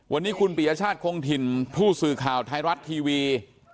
วันนี้คุณปียชาติคงถิ่นผู้สื่อข่าวไทยรัฐทีวี